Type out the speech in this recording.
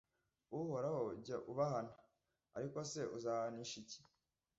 Uhoraho, jya ubahana! Ariko se uzabahanisha iki? ...